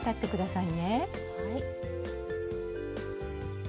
はい。